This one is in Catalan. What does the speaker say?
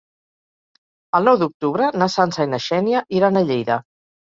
El nou d'octubre na Sança i na Xènia iran a Lleida.